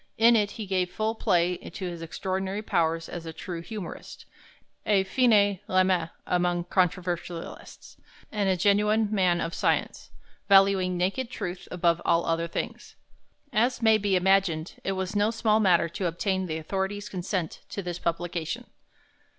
In it he gave full play to his extraordinary powers as a true humorist, a fine lame among controversialists, and a genuine man of science, valuing naked truth above all other things. As may be imagined, it was no small matter to obtain the authorities' consent to this publication.